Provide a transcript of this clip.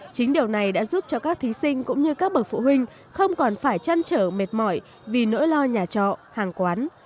chính điều này đã giúp cho các thí sinh cũng như các bậc phụ huynh không còn phải chăn trở mệt mỏi vì nỗi lo nhà trọ hàng quán